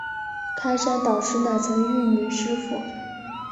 开山导师乃曾玉女师傅。